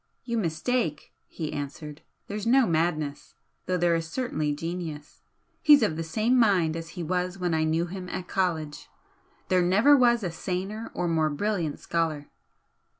"You mistake," he answered "There's no madness, though there is certainly genius. He's of the same mind as he was when I knew him at college. There never was a saner or more brilliant scholar."